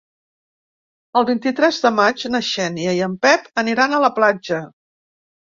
El vint-i-tres de maig na Xènia i en Pep aniran a la platja.